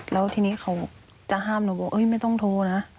แล้วทีนี้เขาจะห้ามหนูบอกไม่ต้องโทรนะ